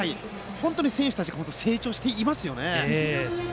本当に選手たちが成長していますよね。